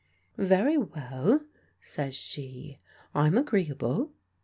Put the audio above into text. "Very well," says she; "I'm agreeable."